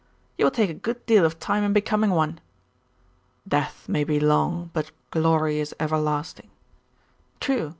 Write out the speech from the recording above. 'You will take a good deal of time in becoming one.' 'Death may be long, but glory is everlasting.' 'True.